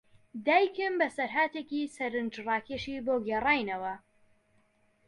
دایکم بەسەرهاتێکی سەرنجڕاکێشی بۆ گێڕاینەوە.